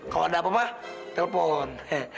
kalo ada apa apa telpon